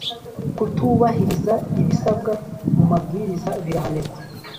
kutubahiriza ibisabwa mu mabwiriza birahanirwa